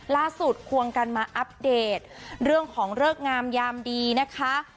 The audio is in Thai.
ควงกันมาอัปเดตเรื่องของเลิกงามยามดีนะคะ